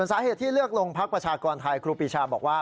สาเหตุที่เลือกลงพักประชากรไทยครูปีชาบอกว่า